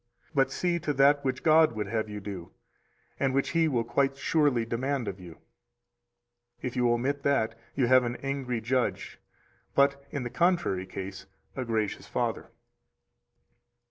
But see to that which God would have you do, and what He will quite surely demand of you; if you omit that, you have an angry Judge, but in the contrary case a gracious Father.